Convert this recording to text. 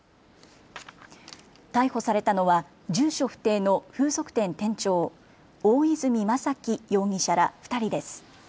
逮捕されたのは住所不定の風俗店店長、大泉正樹容疑者ら２人です。